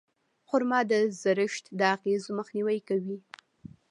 خرما د زړښت د اغېزو مخنیوی کوي.